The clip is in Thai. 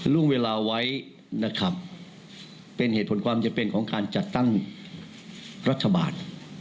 ล่วงเวลาไว้นะครับเป็นเหตุผลความจำเป็นของการจัดตั้งรัฐบาล